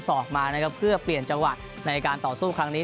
สอกมานะครับเพื่อเปลี่ยนจำว่ากันค่อนขึ้นในการต่อสู้ครั้งนี้